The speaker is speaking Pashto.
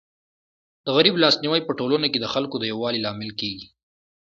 د غریب لاس نیوی په ټولنه کي د خلکو د یووالي لامل کيږي.